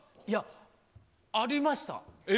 いや、ありました。